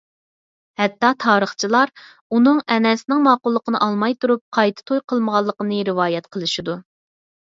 ھەتتا تارىخچىلار ئۇنىڭ ئەنەسنىڭ ماقۇللۇقىنى ئالماي تۇرۇپ، قايتا توي قىلمىغانلىقىنى رىۋايەت قىلىشىدۇ.